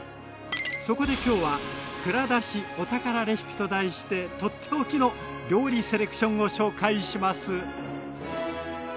そこで今日は「蔵出し！お宝レシピ」と題して取って置きの料理セレクションを紹介します。